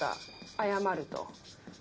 謝ると。